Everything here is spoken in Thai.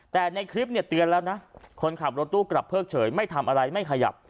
แต่ในคลิปเนี่ยเตือนแล้วนะคนขับรถตู้กลับเพิกเฉยไม่ทำอะไรไม่ขยับ